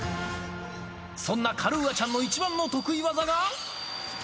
そんなカルーアちゃんの一番の得意技が。